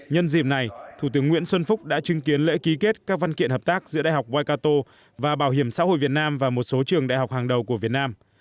nhân dịp này thủ tướng nguyễn xuân phúc đã chứng kiến lễ ký kết các văn kiện hợp tác giữa đại học wicato và bảo hiểm xã hội việt nam và một số trường đại học hàng đầu của việt nam